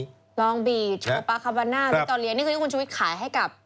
ลองบีบโชว์ปาคาวาน่าวิจอเลียนี่คือที่คุณชุวิตขายให้กับ